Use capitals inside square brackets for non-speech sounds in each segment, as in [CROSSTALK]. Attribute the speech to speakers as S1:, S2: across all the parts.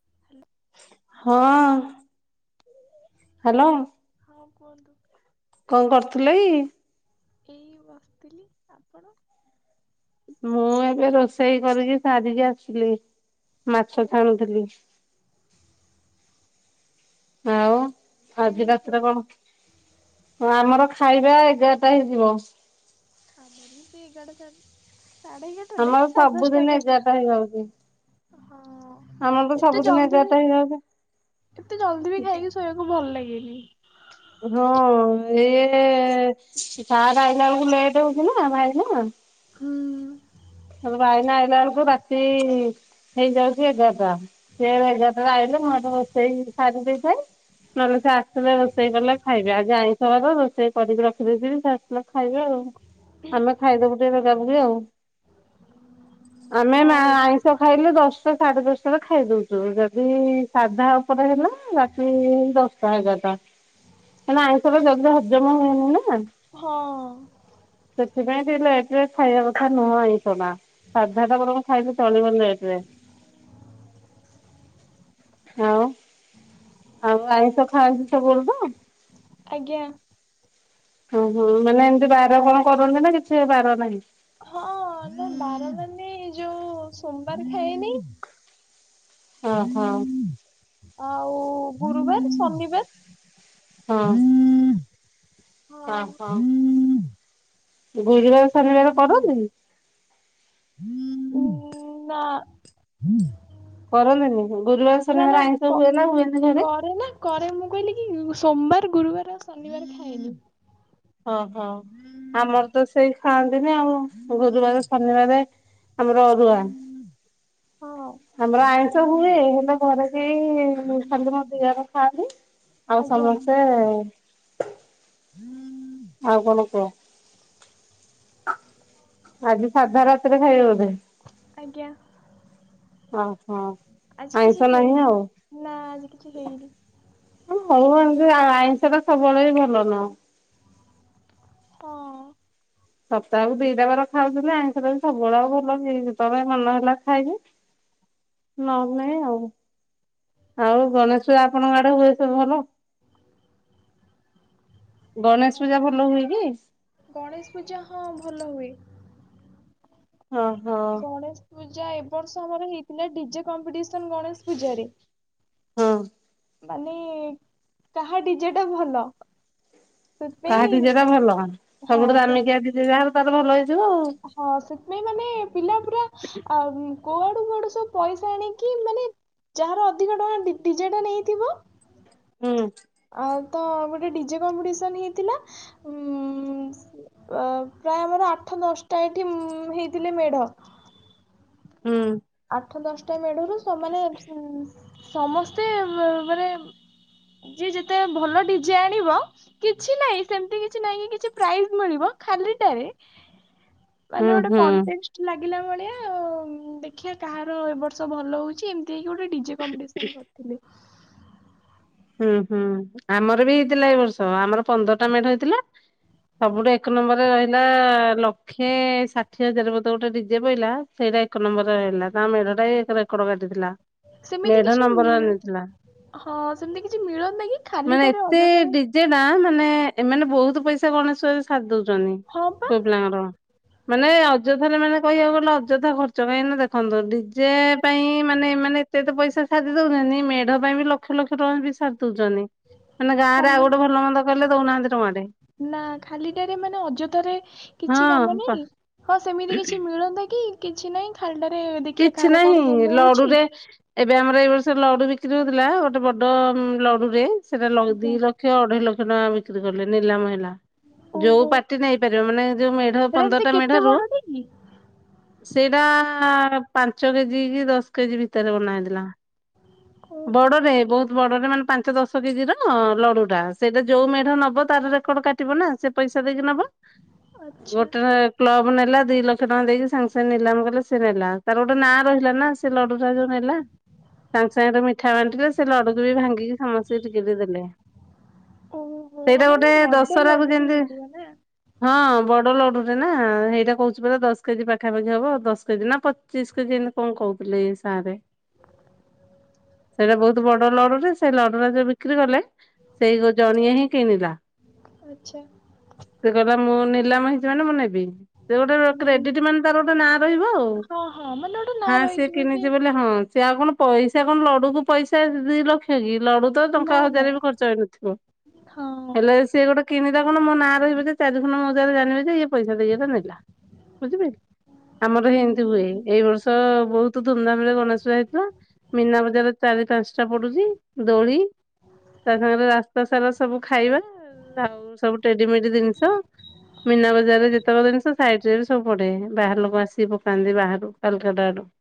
S1: [INAUDIBLE]
S2: ହଁ। ହ୍ୟାଲୋ।
S1: ହଁ, କୁହନ୍ତୁ?
S2: କଣ କରୁଥିଲ କି?
S1: ଏଇ ବସିଥିଲି, ଆପଣ?
S2: ମୁଁ ଏବେ ରୋଷେଇ କରିକି ସାରିକି ଆସିଲି ମାଛ
S1: ଓହୋ
S2: ଛାଣୁଥିଲି। ଆଉ
S1: ଖାଇବେ
S2: ଆଜି ରାତିରେ
S1: କେତେବେଳେ?
S2: କଣ? ହଁ, ଆମର ଖାଇବା ଏଗାରଟା ହେଇଯିବ।
S1: ଆମର ବି ସେ ଏଗଡା ସାଢେ ଏଗାରଟା ନୁହେ
S2: ଆମର
S1: ସଢେ ଦଶଟା
S2: ସବୁଦିନ ଏଗାରଟା ହେଇଯାଉଛି।
S1: ଏଗାରଟା। ହଁ,
S2: ଆମର ତ
S1: ଏତେ
S2: ସବୁଦିନ
S1: ଜଲଦି ବି
S2: ଏଗାରଟା ହେଇଯାଉଛି
S1: ଏତେ ଜଲଦି ବି ଖାଇକି ଶୋଇବାକୁ ଭଲ ଲାଗେନି।
S2: ହଁ, ଇଏ ସାର୍ ଆଇଲା ବେଳକୁ ଲେଟ୍ ହଉଛି ନା ଭାଇନା।
S1: ହୁଁ।
S2: ସମତେ ଆଇଲା ଆଇଲା ବେଳକୁ ରାତି ହେଇଯାଉଛି ଏଗାରଟା ସେ ଏଗାରଟା ଆଇିଲେ ମୁଁ ଏ ରୋଷେଇ ଶାରୀ ଦେଇଥାଏ। ନହେଲେ ସେ ଆସିଲେ ରୋଷେଇ କଲେ ଖାଇବେ ଆଜି ଆଇଁଷ ବାର ରୋଷେଇ କରିକି ରଖିଦେଇିଥିବି, ସେ ଆସିଲେ ଖାଇବେ ଆଉ। ଆମେ ଖାଇଦବୁ ଟିକେ ବେଗା ବେଗି ଆଉ। ଆମେ ମାଆ
S1: ହଁ
S2: ଆଇ ଧା ଖାଇଲେ ଦଶଟା ସାଢେ ଦଶଟାରେ ଖାଇଦଉଛୁ, ଯଦି ସାଧା ଉପରେ ହେଲା ରାତି ଦଶ। ସାଢେ଼ ଏଗାର ଟା କାଇଁ ଆଇଁଷ ରେ ଯଲଦି ହଜମ ହୁଏନି ନା।
S1: ହଁ।
S2: ସେଥିପାଇଁ ଟିକେ ଲେଟ ରେ ଖାଇବା କଥା ନୁହଁଇ। [UNINTELLIGIBLE] ସାଧା ଟା ବରଂ ଖାଇଲେ ଚଳିବ ଲେଟ୍ ରେ। ଆଉ, ଆଉ ଆଇଁଷ ଖାଆନ୍ତି ସବୁବେଳେ ତ?
S1: ଆଜ୍ଞା।
S2: ଓହୋ, ମାନେ ଏମିତି ବାର କଣ କରନ୍ତି ନା କିଛି ବାର ନାହିଁ?
S1: ହଁ ମୁଁ ବାର ମାନେ ଯୋଉ ସୋମବାର ଖାଏନି।
S2: ଓ ହଁ।
S1: ଆଉ ଗୁରୁବାର, ଶନିବାର।
S2: ଓ ହୋ, ଗୁରୁବାର ଶନିବାର କରନ୍ତିକି?
S1: [INAUDIBLE] ନା।
S2: କରନେନି ଗୁରୁବାର
S1: ନା ନା
S2: ଶନିବାର ଆଇଁଷ
S1: କ
S2: ହୁଏ ନା ହୁଏନି ଘରେ?
S1: କରେ ନା କରେ ମୁଁ କହିଲି କି ସୋମବାର, ଗୁରୁବାର, ଆଉ ଶନିବାର ଖାଏନି।
S2: ଓହୋ ଆମର ତ ସେଇ ଖାଆନ୍ତିନି ଆଉ ଗୁରୁବାର, ଶନିବାର ଆମର ଅରୁଆ।
S1: ହଁ।
S2: ଆମର ଆଇଁଷ ହୁଏ ହେଲେ ଘରେ ନ୍ତି ଖାଲି ମୋ ଦିଅର ଖାଆନ୍ତି ଆଉ
S1: ଆଜ୍ଞା।
S2: ସମସ୍ତେ
S1: [INAUDIBLE]
S2: ଆଉ କଣ କୁହ? ଆଜି ସାଧା ରାତିରେ ଖାଇବା ବୋଧେ?
S1: ଆଜ୍ଞା।
S2: ଓ ହୋ।
S1: ଆଜି କିଛି ହେଇନି ନା ଆଜି କିଛି ହେଇନି।
S2: ହଉ ଏ ଆଇଁଷ ଟା ସବୁବେଳେ ଭଲ ନୁହଁ।
S1: ହଁ ଅଁ
S2: ସପ୍ତାହକୁ ଦିଟା ବାର ଖାଉଥିଲେ ଆଇଁଷରେ ବି ସବୁବେଳେ ଆ ଭଲ କି ତମେ ମନ ହେଲା ଖାଇଲ। ନ ହେଲେ ନାହିଁ ଆଉ, ଆଉ ଗଣେଶ ପୂଜା ଆପଣଙ୍କ ଆଡେ ହୁଏ ସବୁ ଭଲ? ଗଣେଶ
S1: ଆଉ
S2: ପୂଜା ଭଲ ହୁଏ କି?
S1: ଗଣେଶ ପୂଜା ହଁ ଭଲ ହୁଏ।
S2: ହଁ ହଁ।
S1: ଗଣେଶ ପୂଜା ଏବ ବର୍ଷ ଆମର ହେଇଥିଲା ଡିଜେ କମ୍ପିଟିସନ ଗଣେଶ ପୂଜାରେ।
S2: ହଁ ଅଁ
S1: ମାନେ କାହା ଡିଜେ ଟା ଭଲ।
S2: କାହା
S1: ସେଥିପାଇଁ
S2: ଡିଜେଟା ଭଲ, ସବୁଠୁ
S1: ହଁ ସେ
S2: ଦାମିକିଆ ଡିଜେ ଯାହାର ତଲେ ଭଲ ହେଇଯିବ।
S1: ହଁ, ସେଥିପାଇଁ ମାନେ ପିଲା ପୁରା ଆ କୋଉଆଡୁ କୁଆଡୁ ସବୁ ପଇସା ଆଣିକି ମାନେ ଯାହାର ଅଧିକ ଟଙ୍କା ଡିଜେଟା ନେଇଥିବ।
S2: ହୁଁ ଉଁ
S1: ଆ ତ ଗୋଟେ ଡିଜେ କମ୍ପିଟିସନ ହେଇଥିଲା ଉ ଅ ପ୍ରାୟ ଆମର ଆଠ ଦଶଟା ଏଇଠି ହେଇଥିଲେ ମେଢ।
S2: ହୁଁ
S1: ଆଠ ଦଶଟା ମେଢରୁ, ସେମାନେ ସମସ୍ତେ ମାନେ ଯ ଯେତେ ଭଲ ଡିଜେ ଆଣିବ କିଛି ନାହିଁ ସେମତି କିଛି ନାହିଁ କି କିଛି ପ୍ରାଇସ ମିଳିବ ଖାଲିଟାରେ।
S2: [INAUDIBLE]
S1: ମାନେ ଗୋଟେ
S2: ହୁଁ
S1: କଣ୍ଟେଷ୍ଟ ଲାଗିଲା ଭଳିଆ ଦେଖିବା କାହାର ଏବ ବର୍ଷ ଭଲ ହଉଛି ଏମତି। ସେକି ଗୋଟେ ଡିେମ୍ପଟିସନ କରିଥିଲୁ।
S2: ହୁଁ ହୁଁ, ଆମର ବି ହେଇଥିଲା ଏ ବର୍ଷ, ଆମର ପନ୍ଦରଟା ମେଢ ହେଇଥିଲା। ସବୁଠୁ ଏକ ନମ୍ବର ରେ ରହିଲା ଲ ଲଖେ ଷାଠିଏ ହଜାର ବୋଧେ ଗୋଟେ ଡିଜେ ପହିଲା, ସେଇଟା ଏକ ନମ୍ବର ରହଲା ତା ମେଢ ଟା ରେକଡ଼ କାଟିଥିଲା।
S1: ସେମିତି
S2: ମେଢ
S1: କିଛି
S2: ନମ୍ବର ଆଣିଥିଲା
S1: ହଁ ସେମିତି କିଛି ମିଳନ୍ତା କି ଖାଲିଟାରେ ଅଯଥାରେ
S2: ସେଟା ମାନେ ଏମାନେ ବହୁତ ପଇସା ଗଣେଶପୂଜା ରେ ସାରି ଦଉଛନ୍ତି
S1: ହଁ ବା
S2: ପୁଅ ପିଲାଙ୍କର। ମାନେ ଅଯଥାରେ ମାନେ କହିବାକୁ ଗଲେ ଅଯଥା ଖର୍ଚ୍ଚ କାହିଁକି ଦେଖନ୍ତୁ ଡିଜେ ପାଇଁ ମାନେ ମାନେ ଏତେ ତେ ପଇସା ସାଧ ଦଉଛନ୍ତି, ମେଢ ପାଇଁ ବି ଲକ୍ଷ ଲକ୍ଷ ଟଙ୍କା ବି ସାରି ଦଉଛନ୍ତି। ମାନେ ଗାଁରେ ଆଉ
S1: ଖାଲି
S2: ଗୋଟେ ଭଲ ମନ୍ଦ କଲେ ଦଉନାହାନ୍ତି ଟଙ୍କାଟେ।
S1: ନା ଖାଲିଟାରେ ମାନେ ଅଯଥାରେ କିଛି କାମ
S2: ହଁ
S1: ନାହିଁ। ହଁ ସେମିତି କିଛି ମିଳନ୍ତା କି, କିଛି ନାହିଁ, ଖାଲିଟାରେ ଦେଖିବା
S2: କିଛି
S1: କାହାର
S2: ନାହିଁ
S1: କଣ ଭଲ ହଉଛି।
S2: ଲଡୁରେ ଏବେ ଆମର ଏଇ ବର୍ଷ ଲଡୁ ବିକ୍ରି ହଉଥିଲା, ଗୋଟେ ବଡ ଲଡୁରେ ସେଟା ଲ ଦି
S1: ଆଜ୍ଞା
S2: ଲଖ ଲକ୍ଷ ଅଢେଇ ଲକ୍ଷ ଟଙ୍କା ବିକ୍ରି କଲେ, ନିଲାମ ହେଲା। ଯୋଉ
S1: ଓହୋ
S2: ପାର୍ଟି ନେଇ ପାରିବ, ମାନେ ଯୋଉ ମେଢ
S1: ସେଇଟା ଏମିତି
S2: ପନ୍ଦରଟା
S1: କେତେ
S2: ମେଢରୁ
S1: ବଡଟେ କି?
S2: ସେଇଟା ପାଞ୍ଚ କେଜି କି, ଦଶ କେଜି ଭିତରେ ବନା ହେଇଥିଲା।
S1: ଓହୋ
S2: ବଡଟେ, ବହୁତ ବଡଟେ, ମାନେ ପାଞ୍ଚ ଦଶ ଦଶ କେଜି ର ଲଡୁ ଟା, ସେଇଟା ଯୋଉ ମେଢ ନବ ତାର ରେକର୍ଡ କାଟିବ ନା, ସେ ପଇସା ଦେଇକି ନେବ।
S1: ଆଚ୍ଛା
S2: ଗୋଟେ କ୍ଲବ ନେଲା ଦି ଲକ୍ଷ ଟଙ୍କା ଦେଇକି, ସାଙ୍ଗେ ସାଙ୍ଗେ ନିଲାମ କଲେ ସ ନେଲା। ତାର ଗୋଟେ ନାଁ ରହିଲା ନା, ସେ ଲଡୁୁରା ଯୋଉ ନେଲା। ସାଙ୍ଗେ ସାଙ୍ଗେରେ ମିଠା ବାଣ୍ଟିଲେ, ସେ ଲଡ଼ୁ ବି ଭାଙ୍ଗିକି ସମସ୍ତେ ଟିକେ ଦେଲେ।
S1: ଓହୋ
S2: ସେଇଟା
S1: ମାନେ
S2: ଗୋଟେ
S1: ବଡ
S2: ଦଶହରାକୁ
S1: ଲଡୁଟେ
S2: ଯେମିତି
S1: ହେଇଥିବ ନା
S2: ହଁ ବଡ ଲଡୁଟେ ନା, ସେଇଟା କହୁଛି ପ ଦଶ କେଜି ପାଖାପାଖି ହବ ଦଶ କେଜି ନା ଚିସ୍କ ଯେମିତି କଣ କହୁଥିଲେ ସାର ସେଇଟା ବହୁତ ବଡ ଲଡୁଟେ, ସେଇ ଲଡୁଟା ଯ ବିକ୍ରି କଲେ ସେଇ ଜଣିଆ ହିଁ କିଣିଲା,
S1: ଆଚ୍ଛା।
S2: ସେ କହିଲା ମୁଁ ନିଲାମ [UNINTELLIGIBLE] ମୁଁ ନେବି ସେ ଗୋଟେ
S1: ହୁଁ।
S2: କ୍ରେଡିଟ ମାନେ ତାର ଗୋଟେ ନାଁ ରହିବ ଆଉ।
S1: ଅଁ ମାନେ। ଗୋଟେ ନାଁ
S2: ହାଁ ସିଏ
S1: ରହିଯିବ କି
S2: କିନିଚି ବୋଲି ହଁ ସିଏ ଆଉ କଣ ପଇସା କଣ ଲଡୁକୁ ପଇସା ଦି ଲକ୍ଷ କି ଲଡୁ ତ
S1: ନା
S2: ଟଙ୍କା
S1: ନା
S2: ହଜାର ବି ଖର୍ଚ୍ଚ ଏଇନଥିବ
S1: ହଁ
S2: ହେଲେ ସ୍ ସେ ଗୋଟେ କିଣିଲା କଣ ମୋ ନାଁ ରହିବ ଯେ ଚାରିଖନ ମୌଜାରେ ଜାନିବେ ଯେ ଇଏ ପଇସା ଦେଇ ଏଟା ନେଲା ବୁଝି ପାଇଲୁ ଆମର ହେଇ ଏମିତି ହୁଏ ଏଇ ବର୍ଷ ବହୁତୁ ଧୁମଧାମ ରେ ଗଣେଶ ପୂଆ ହେଇଥିଲା ମୀନା ବଜାରରେ ଚାରି, ପାଞ୍ଚଟା ପଡୁଚି ଦୋଳି ତା ସାଙ୍ଗରେ ରାସ୍ତା ସାରା ସବୁ ଖାଇବା ଆଉ ସବୁ ଟେଡିମେଡି ଦିନିଷ। ମୀନା ବଜାରରେ ଯେତେବେଳେ ଦିନିଷ ସାଇଡ ରେ ସବୁ ପଡେ ବାହାର ଲୋକ ଆସି ପକାନ୍ତି ବାହାରୁ। କାଲକାଟାଡୁ।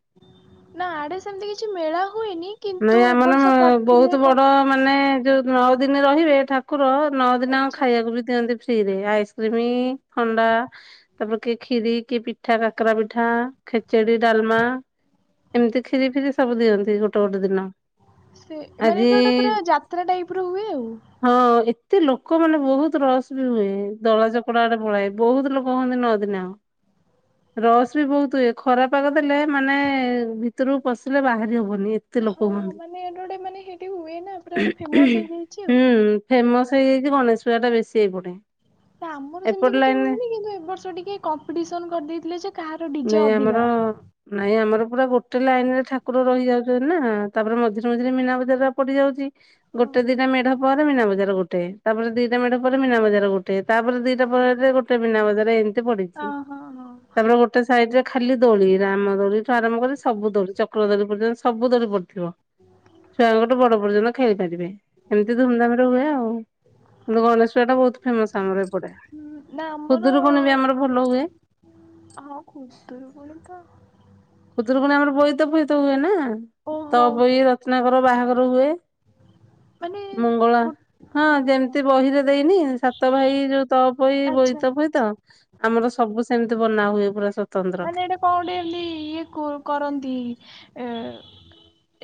S1: ନାଁ ଆଡେ ସେମିତି କିଛି ମେଳା ହୁଏନି। କିନ୍ତୁ
S2: ନାଇଁ
S1: ଏ
S2: ଆମନ
S1: ବର୍ଷ କରିଥିଲେ
S2: ବହୁତୁ
S1: କଣ
S2: ବଡ ମାନେ ଯୋଉ ନଅ ଦିନି ରହିବେ ଠାକୁର ନଅ ଦିନ
S1: ଆଚ୍ଛା
S2: ଖାଇଆକୁ ବି ଦିଅନ୍ତି ଫ୍ରି ରେ ଆଇସ୍କ୍ରିମି, ଥଣ୍ଡା। ତାପରେ କିଏ ଖିରି କି ପିଠା କାକରା ପିଠା ଖେଚେଡି, ଡାଲମା। ଏମିତି ଖିରି ଫିରି ସବୁ ଦିଅନ୍ତି ଗୋଟେ ଗୋଟେ ଦିନ।
S1: ସେ ଏମାନେ
S2: ଆଜି
S1: [UNINTELLIGIBLE] ପୁରା ଯାତ୍ରା ଟାଇପର ହୁଏ ଆଉ।
S2: ହଁ ଏତେ ଲୋକମାନେ ବହୁତୁ ରସ୍ ବି ହୁଏ ଦଳା ଚକଡା ଆଡେ ପଳାଏ ବହୁତୁ ଲୋକ ହୁଅନ୍ତି ନଅ ଦିନ। ରସ୍ ବି ବହୁତୁ ଉଏ ଖରା ପାଗ ଦେଲେ ମାନେ ଭିତରୁକୁ ପଶିଲେ ବାହାରି ହବନି ଏ
S1: ହଁ ମାନେ [UNINTELLIGIBLE] ମାନେ ହେଇଠି ହୁଏ ନା ପୁରା ଗୋଟେ ଫେମସ୍ ହେଇଯାଇଚି ଆଉ।
S2: ଫେମସ୍ ହେଇଯାଇଚି ଗଣେଶ ପୂଜାଟା ବେଶୀ ଏଇପଟେ।
S1: ଆମର ସେମିତି
S2: ଏପଟ
S1: କିଛି
S2: ଲାଇନରେ
S1: ହୁଏନି କିନ୍ତୁ ଏ ବର୍ଷ ଟିକେ କମ୍ପିଟିସନ କରିଦେଇଥିଲେ ଯେ କାହାର ଡିଜେ
S2: ନାଇଁ ଆମର
S1: ଅଧିକା।
S2: ନାଇଁ ଆମର ପୁରା ଗୋଟେ ଲାଇନରେ ଠାକୁର ରହିଯାଉ [UNINTELLIGIBLE] ନା ତାପରେ ମଝିରେ ମଝିରେ ମୀନା ବଜାର ଟା ପଡିଯାଉଚି।
S1: ହଁ
S2: ଗୋଟେ ଦିଟା ମେଢ ପରେ ମୀନା ବଜାର ଗୋଟେ। ତାପରେ ଦିଟା ମେଢ ପରେ ମୀନା ବଜାର ଗୋଟେ ତାପରେ ଦିଟା ପରେ ଗୋଟେ ମୀନା ବଜାର ଏମ୍ ତି ପଡିଚି
S1: ହଁ ହଁ ହଁ
S2: ତାପରେ ଗୋ ଟେ ସାଇଡରେ ଖାଲି ଦୋଳି ରାମ ଦୋଳିଠୁ ଆରମ୍ଭ କରି ସବୁ ଦୋଳି ଚକ୍ର ଦୋଳି ପର୍ଯ୍ୟ ସବୁ ଦୋଳି ପଡିଥିବ। ଛୁଆଙ୍କ ଠୁ ବଡ ପର୍ଯ୍ୟନ୍ତ ଖେଳିପାରିବେ ଏମିତି ଧୁମଧାମ୍ ରେ ହୁଏ ଆଉ। କିନ୍ତୁ ଗଣେଶ ପୂଜାଟା ବହୁତୁ ଫେମସ୍ ଆମର ଏପଟେ
S1: ହୁଁ ନା ଆମର
S2: ଖୁଦୁରୁକୁଣୀ ବି ଆମର ଭଲ ହୁଏ।
S1: ହଁ ଖୁଦୁରୁକୁଣୀ ତ
S2: ଖୁଦୁରୁକୁଣୀ ଆମର ବୋଇତ ଫୋଇତ ହୁଏ ନା
S1: ଓହୋ
S2: ତପୋଇ ରତ୍ନାକର ବାହାଘର ଉଏ।
S1: ମାନେ ଗୋ
S2: ହଁ ଯେମିତି ବହିରେ ଦେଇନି ସାତ ଭାଇ ଯୋଉ ତପୋଇ
S1: ଆଚ୍ଛା।
S2: ବୋଇତ ଫୋଇତ ଆମର ସବୁ ସେମିତି ବନା ହୁଏ ପୁରା ସ
S1: ମାନେ ଏଟା କଁ ଓଟେ ଏମିତି ଇଏ କୋ କରନ୍ତି ଏ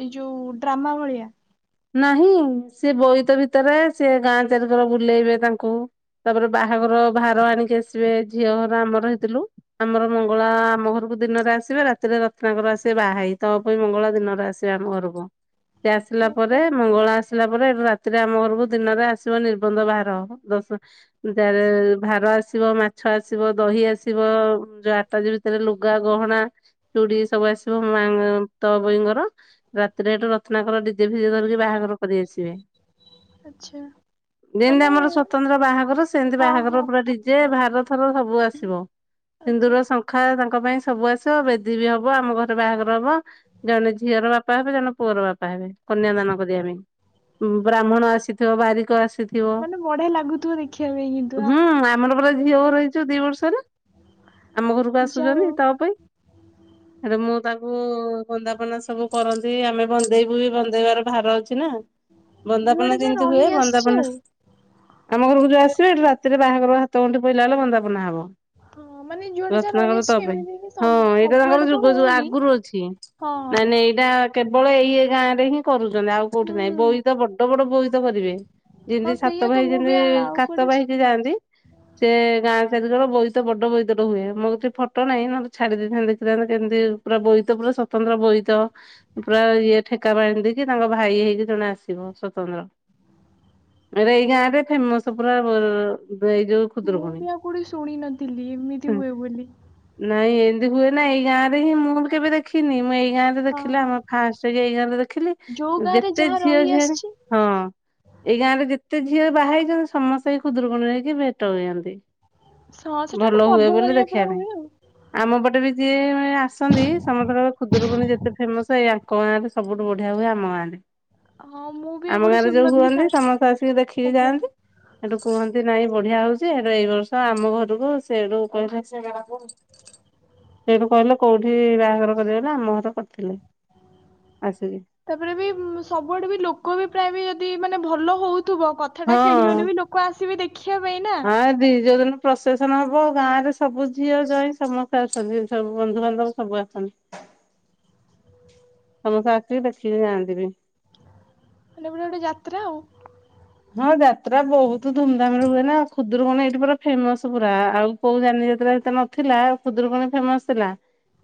S1: ଏଇ ଯୋଉ ଡ୍ରାମା ଭଳିଆ।
S2: ନାହିଁ ସେ ବୋଇତ ଭିତରେ ସିଏ ଗାଁ ଚାରିକର ବୁଲେଇବେ ତାଙ୍କୁ। ତାପରେ ବାହାଘର ଭାର ଆଣିକି ଆସିବେ ଝିଅ ଘର ଆମର ହେଇତିଲୁ। ଆମର ମଙ୍ଗଳା ଆମ ଘରକୁ ଦିନରେ ଆସିବେ ରାତିରେ ରତ୍ନାକର ଆସିବେ ବା ହେଇ ତପୋଇ, ମଙ୍ଗଳା ଦିନରେ ଆସି [UNINTELLIGIBLE] ଆମ ଘରକୁ ସେ ଆସିଲା ପରେ ମଙ୍ଗଳା ଆସ୍ ସିଲା ପରେ ଏଠୁ ରାତିରେ ଆମ ଘରକୁ ଦିନରେ ଆସିବ ନିର୍ବନ୍ଧ ବାଇ ଦଶ ଯାରେ ଭାର ଆସିବ ମାଛ ଆସିବ ଦହି ଆସିବ ଯା ଟାଜେ ଭିତରେ ଲୁଗା, ଗହଣା। ଚୁଡି ସବୁ ଆସିବ ମା ତପୋଇଙ୍କର ରାତିରେ ଏଠୁ ରତ୍ନାକର ଡି ଜେ ପିଜେ ଧରିକି ବାହାଘର କରିଆସିବେ।
S1: ଚ୍ଛା।
S2: ଯେମିତି ଆମର ସ୍ଵତନ୍ତ୍ର ବାହାଘର ସେମିତି
S1: ହଁ ହଁ
S2: ବାହାଘର ପୁରା ଡିଜେ ଭାର ଥୋର ସବୁ ଆସିବ।
S1: ଆଚା।
S2: ସିନ୍ଦୁର ଶଙ୍ଖା ତାଙ୍କ ପାଇଁ ସବୁ ଆସିବ ବେଦୀ ବି ହବ ଆମ ଘରେ ବାହାଘର ହବ। ଜଣେ ଝିଅର ବାପା ହେବେ ଜଣେ ପୁଅର ବାପା ହେବେ। କନ୍ୟା ଦାନ କରିବା ପାଇଁ ଉଁ ବ୍ରାହ୍ମଣ ଆସିଥିବ ବାରିକ ଆସି
S1: ମାନେ ବଢିଆ ଲାଗୁଥୁ ଦେଖିବା ପାଇଁ କି
S2: ହୁଁ ଆମର ପରା ଝିଅଘର ହେଇଚୁ ଦି ବର୍ଷ ହେଲା। ଆମ ଘରକୁ
S1: ଯା ହଉ
S2: ଆସୁଛନ୍ତି ତପୋଇ। ଆରେ ମୁଁ ତାକୁ ବନ୍ଦାପନା ସବୁ କରନ୍ତି ଆମେ ବନ୍ଦେଇବୁ ବି ବ ଦେବାର ଭାର ଅଛି ନା
S1: ଯୁଆଡେ
S2: ବନ୍ଦାପନା
S1: ଯା
S2: ଯେମିତି
S1: ରହି
S2: ହୁଏ
S1: ଆସିଛି
S2: ବନ୍ଦାପନା।
S1: ଆଉ
S2: ଆମ ଘରକୁ ଯଉ ଆସିବେ ଏଠି ରାତିରେ ବାହାଘର ହାତଗଣ୍ଠି ପଇଲା ବେଳେ ବନ୍ଦାପନା ହବ।
S1: ହଁ ମାନେ ଯୁଆଡେ ଯା ରହି
S2: ରତ୍ନାକର
S1: ଆସିଛି
S2: ତପୋଇ
S1: ଏମିତି କି
S2: ହଁ
S1: ସମ-
S2: ଏଇଟା ତାଙ୍କର
S1: ସବୁଆଡେ ତ
S2: ଯୁଗ ଯୁଗ
S1: ହଉନି
S2: ଆଗରୁ ଅଛି।
S1: ହଁ
S2: ନାଇଁ ନାଇଁ ଏଇଟା କେବଳ ଏଇ ଏ ଗାଁରେ ହିଁ। କରୁଛନ୍ତି ଆଉ କୋଉଠି
S1: ହୁଁ
S2: ନାହିଁ ବୋଇତ ବଡ ବଡ ବୋଇତ କରିବେ।
S1: ହଁ
S2: ଯେମିତି ସାତ
S1: ସେଇଆ ତ
S2: ଭାଇ
S1: ମୁଁ ବି
S2: ଯେମିତି
S1: ଆ- ଆଉ
S2: କାତ
S1: କୁଆଡେ
S2: ବାହିକି
S1: ଶୁ-
S2: ଯାଆନ୍ତି। ସେ ଗାଁ [UNINTELLIGIBLE] ବୋଇତ ବଡ ବୋଇତଟେ ହୁଏ ମୋ କତି ରେ ଫଟୋ ନାହିଁ ନହେଲେ ଛାଡି ଦେଇଥାନ୍ତି ଦେଖିଥାନ୍ତ କେମିତି। ପୁରା ବୋଇତ ପୁରା ସ୍ଵତନ୍ତ୍ର ବୋଇତ ଉଁ ପୁରା ଇଏ ଠେକା ବାନ୍ଧି କି ତାଙ୍କ ଭାଇ ହେଇକି ଜଣେ ଆସିବ ସ୍ଵତନ୍ତ୍ର। ଆରେ ଏଇ ଗାଁ ରେ ଫେମସ ପୁରା ବ ବେଇ ଯୋଉ।
S1: ମୁଁ
S2: ଖୁଦୁରୁକୁଣୀ।
S1: ବି ଆଉ କଉଠି ଶୁଣ ନଥିଲି ଏମିତି ହୁଏ ବୋଲି।
S2: ନାଇଁ ଏମିତି ହୁଏ ନା ଏଇ ଗାଁ ରେ ହିଁ ମୁଁ କେବେ ଦେଖିନି ମୁଁ ଏଇ। ଗାଁ ରେ
S1: ହଁ
S2: ଦେଖିଲି ଆମ ଫାର୍ଷ୍ଟ ଏ-ଏଇ ଗାଁରେ ଦେଖିଲି
S1: ଯୋଉ
S2: ଇଁ
S1: ଗାଁରେ
S2: ଯେତେ
S1: ଯାହା ରହି
S2: ଝିଅ ଝିଆଣି
S1: ଆସିଛି
S2: ହଁ। ଏଇ ଗାଁ ରେ ଯେତେ ଝିଅ ବାହା ହେଇଛନ୍ତି ସମସ୍ତେ ଏଇ ଖୁଦୁରୁ କୁଣି ହେଇକି ଭେଟ ହୁଅନ୍ତି।
S1: ହଁ ସେଟା ଗୋଟେ
S2: ଭଲ ହୁଏ
S1: ପର୍ବ
S2: ବୋଲି
S1: ଭଳିଆ
S2: ଦେଖିବା
S1: ପୁରା
S2: ପାଇଁ।
S1: ହୁଏ ଆଉ
S2: ଆମ ପଟେ ବି ଯିଏ ମାନେ ଆସନ୍ତି ସମସ୍ତେ କହିବେ ଖୁଦୁରୁକୁୁଣି ଯେତେ ଫେମସ ଏଇ ଆଙ୍କ ଗାଁରେ ସବୁଠୁ ବ ବଢିଆ ହୁଏ ଆମ ଗାଁ ରେ
S1: ହଁ ମୁଁ ବି
S2: ଆମ
S1: ଆଗରୁ
S2: ଗାଁରେ ଯୋଉ
S1: ଶୁଣିନଥିଲି
S2: ହୁଅନ୍ତି ସମସ୍ତେ ଆସିକି ଦେଖି କି
S1: ଆଜ୍ଞା
S2: ଯାଆନ୍ତି। ସେଠୁ କୁହନ୍ତି ନାଇଁ ବଢିଆ ହଉଛି ସେଠୁ ଏଇ ବର୍ଷ ଆମ ଘରକୁ ସେଠୁ କହିଲା। ସେଠୁ କହିଲେ କୋଉ ଠି ବାହାଘର କରିବ ନା ଆମ ଘର କରିଥିଲେ ଆସିକି।
S1: ତା ପରେ ବି ଉଁ ସବୁଆଡେ ବି ଲୋକ ବି ପ୍ରାୟ ବି ଯଦି ମାନେ ଭଲ ହଉଥୁବ କଥାଟା
S2: ହଁ।
S1: ଖେଳିଗଲେ ବି ଲୋ କ ଆସିବେ ଦେଖିବା ପାଇଁ ନା।
S2: ଆ ଦି ଯୋଉ ଦିନ ପ୍ରସେସନ ହବ ଗାଁ ରେ ସବୁ ଝିଅ ଜ୍ଵଇଁ ସମସ୍ତେ ଆସନ୍ତି ସବୁ ବନ୍ଧୁ ବାନ୍ଧବ ସବୁ ଆ ସନ। ସମସ୍ତେ ଆସିକି ଦେଖିକି ଯାଆନ୍ତି ବି।
S1: ମାନେ ପୁରା ଗୋଟେ ଯାତ୍ରା ଆଉ।
S2: ହଁ ଯାତ୍ରା ବହୁତ ଧୁମ ଧାମରେ ହୁଏ ନା ଆଉ ଖୁଦୁରୁକୁଣି ଏଇଠି ପୁରା ଫେମସ ପୁରା ଆ-ଆଉ। କୋଉ ଜାନି ଯାତ୍ରା ତ ଏତେ ନଥିଲା ଖୁଦୁରୁ କୁଣୀ ଫେମସ ଥିଲା।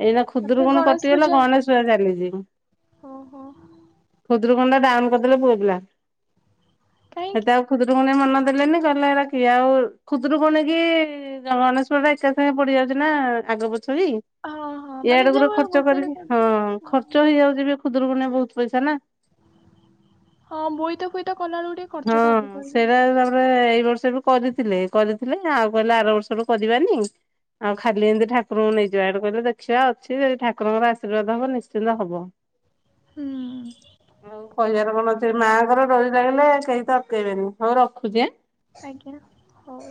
S2: ଏଇନା ଖୁଦୁରୁ
S1: ତାପରେ
S2: କୁଣି
S1: ଗଣେଶ
S2: କଟିଗଲା
S1: ପୂଜା
S2: ଗଣେଶ ପୂଜା ଚାଲିଛି।
S1: ଓହୋ
S2: ଖୁଦୁରୁକିଣି ଟା ଡାଉନ କରିଦେଲେ ପୁଅ ପିଲା।
S1: କାହିଁକି
S2: ସେତେ ଆଉ ଖୁଦରୁକୁଣୀ ମନ ଦେଲେନି କହିଲେ ଏରା କିଏ ଆଉ ଖୁଦୁରୁକୁଣି କି ଗଣେଶ। ଯୋଡ଼େ ଏକା ସାଙ୍ଗେ ପଡି ଯାଉଛି ନା ଆଗ ପଛ ହେଇ
S1: ହଁ ହଁ ମାନେ
S2: ଇଆଡକୁ ର
S1: ଯୋଉ
S2: ଖର୍ଚ୍ଚ
S1: ଗୋଟେରେ
S2: କରିକି ହଁ।
S1: କରିଦେବେ
S2: ଖର୍ଚ୍ଚ ହେଇ ଯାଉଛିି ବି ଖୁଦୁରୁ କୁଣି ରେ ବହୁତ ପଇସା ନା।
S1: ହଁ ବୋଇତ ଫୋଇତ କଲା ବେଳୁ
S2: ହଁ ସେଇଟା ତାପରେ ଏଇ ବର୍ଷ ବି କରିଥିଲେ କରିଥିଲେ ଆଉ କହିଲେ ଆର ବର୍ଷରୁୁ କରିବାନି। ଆଉ ଖାଲି ଏମିତି ଠାକୁରଙ୍କୁ ନେଇଯିବା ଇଆଡୁ କହିଲେ ଦେଖିବା ଅଛି ଯଦି ଠାକୁରଙ୍କର ଆଶୀର୍ବାଦ ହବ ନିଶ୍ଚିନ୍ତ ହବ। [INAUDIBLE]
S1: ହୁଁ।
S2: ଆଉ କହିବାର କଣ ଅଛି ମାଆଙ୍କର ଡୋରି ଲାଗିଲେ କେହି ତ ଅଟକେଇ ବେନି ହଉ ରଖୁଛି ଆଁ।
S1: ଆଜ୍ଞା ହଉ।